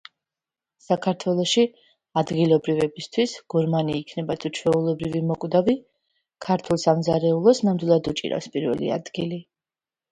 საქართველოში ადგილობრივებისთვის, გურმანი იქნება თუ ჩვეულებრივი მოკვდავი ქართულ სამზარეულოს ნამდვილად უჭირავს პირველი ადგილი.